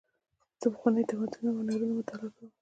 زه د پخوانیو تمدنونو هنرونه مطالعه کوم.